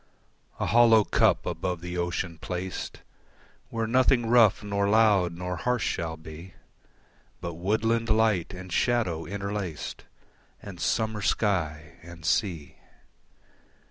A hollow cup above the ocean placed Where nothing rough, nor loud, nor harsh shall be, But woodland light and shadow interlaced And summer sky and sea.